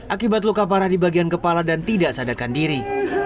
akibat luka parah di bagian kepala dan tidak sadarkan diri